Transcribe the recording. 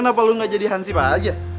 kenapa lo gak jadi hansip aja